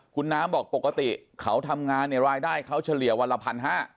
คุณน้ำบอกปกติเขาทำงานเนี่ยรายได้เขาเฉลี่ยวันละ๑๕๐๐